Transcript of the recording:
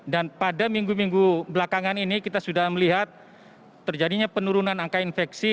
dan pada minggu minggu belakangan ini kita sudah melihat terjadinya penurunan angka infeksi